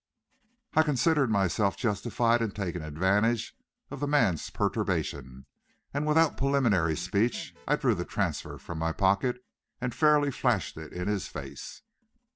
I considered myself justified in taking advantage of the man's perturbation, and without preliminary speech I drew the transfer from my pocket and fairly flashed it in his face.